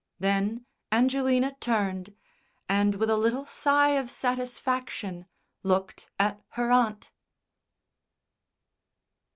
Then Angelina turned, and with a little sigh of satisfaction looked at her aunt.